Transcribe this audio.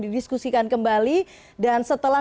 didiskusikan kembali dan setelah